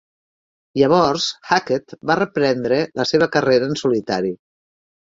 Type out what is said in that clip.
Llavors, Hackett va reprendre la seva carrera en solitari.